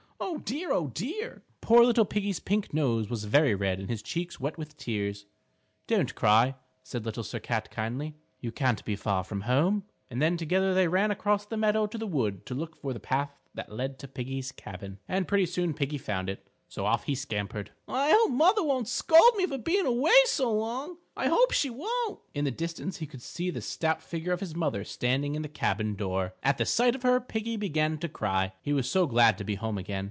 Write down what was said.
Oh, dear, oh, dear!" Poor little Piggie's pink nose was very red and his cheeks wet with tears. "Don't cry," said Little Sir Cat kindly, "you can't be far from home." And then together they ran across the meadow to the wood to look for the path that led to Piggie's cabin. And pretty soon Piggie found it, so off he scampered. "I hope mother won't scold me for being away so long I hope she won't." In the distance he could see the stout figure of his mother standing in the cabin door. At the sight of her Piggie began to cry, he was so glad to be home again.